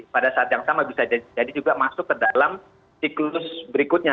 pada saat yang sama bisa jadi juga masuk ke dalam siklus berikutnya